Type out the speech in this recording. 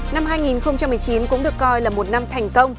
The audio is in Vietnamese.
năm hai nghìn một mươi chín cũng được coi là một năm thành công